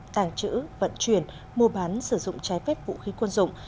tàng trữ vận chuyển mua bán sử dụng trái phép vũ khí quân dụng